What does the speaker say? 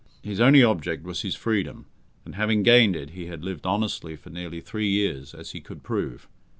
His only object was his freedom, and, having gained it, he had lived honestly for nearly three years, as he could prove.